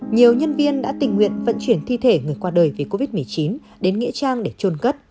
nhiều nhân viên đã tình nguyện vận chuyển thi thể người qua đời vì covid một mươi chín đến nghĩa trang để trôn cất